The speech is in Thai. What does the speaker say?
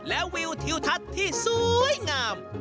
และวิวทิวทัศน์ที่สวยงาม